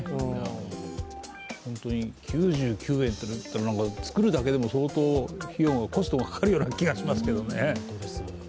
本当に９９円というのは、作るだけでも相当コストがかかるような気もしますけどね。